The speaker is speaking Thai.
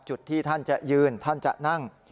จุดที่ท่านจะยืนท่านจะนั่ง